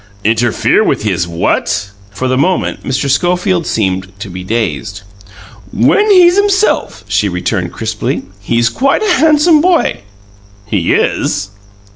"Interfere with his what?" For the moment, Mr. Schofield seemed to be dazed. "When he's himself," she returned crisply, "he's quite a handsome boy." "He is?"